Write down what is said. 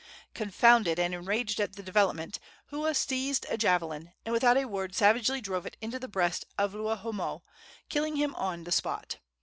Confounded and enraged at the development, Hua seized a javelin, and without a word savagely drove it into the breast of Luahoomoe, killing him on the spot.